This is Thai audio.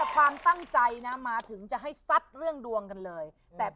ความตั้งใจนะมาถึงจะให้ซัดเรื่องดวงกันเลยแต่